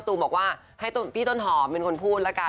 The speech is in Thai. ตูมบอกว่าให้พี่ต้นหอมเป็นคนพูดละกัน